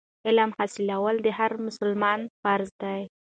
علم حاصلول د هر مسلمان فرض دی.